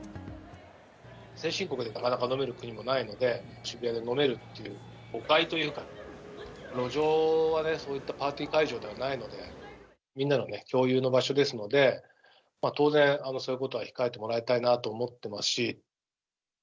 先進国で、なかなか飲める国もないので、渋谷で飲めるっていう誤解というか、路上はね、そういったパーティー会場ではないので、みんなの共有の場所ですので、当然、そういうことは控えてもらいたいなと思ってますし。